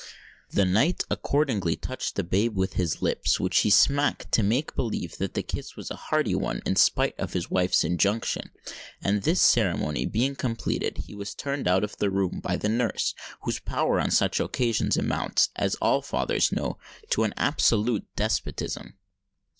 The knight accordingly touched the babe with his lips, which he smacked to make believe that the kiss was a hearty one in spite of his wife's injunction; and, this ceremony being completed, he was turned out of the room by the nurse, whose power on such occasions amounts, as all fathers know, to an absolute despotism.